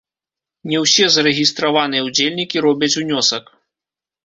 Не ўсе зарэгістраваныя ўдзельнікі робяць унёсак.